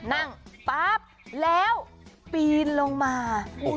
นั่งปั๊บแล้วปีนลงมา